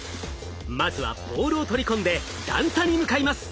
まずはボールを取り込んで段差に向かいます。